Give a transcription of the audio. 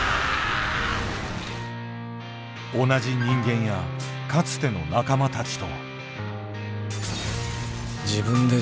同じ人間やかつての仲間たちと。